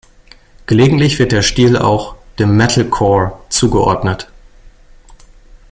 Gelegentlich wird der Stil auch dem Metalcore zugeordnet.